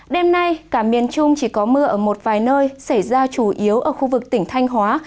đêm nay cả miền trung chỉ có mưa ở một vài nơi xảy ra chủ yếu ở khu vực tỉnh thanh hóa